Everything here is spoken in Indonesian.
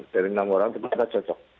dari enam orang tetap cocok